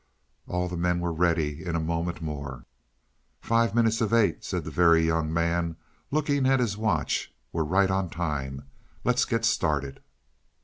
All the men were ready in a moment more. "Five minutes of eight," said the Very Young Man, looking at his watch. "We're right on time; let's get started."